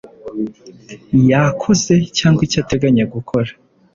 yakoze cyangwa icyo ateganya gukora